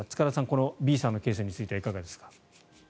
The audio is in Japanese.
このＢさんのケースについてはいかがですか。